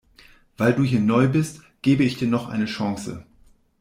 Weil du hier neu bist, gebe ich dir noch eine Chance.